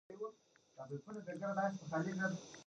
د هغه په اجازه يې يوه برخه دلته وړاندې کوو.